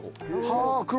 はあ